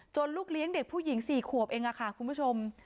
ลูกเลี้ยงเด็กผู้หญิง๔ขวบเองค่ะคุณผู้ชม